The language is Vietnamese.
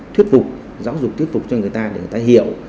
giáo dục giáo dục thuyết phục cho người ta để người ta hiểu